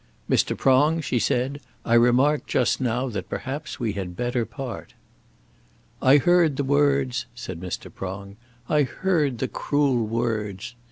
"Mr. Prong," she said, "I remarked just now that perhaps we had better part." "I heard the words," said Mr. Prong, "I heard the cruel words."